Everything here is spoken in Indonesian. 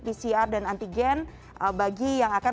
pcr dan antigen bagi yang akan